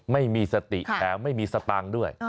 ไม่มีสติแถมไม่มีสตางค์ด้วย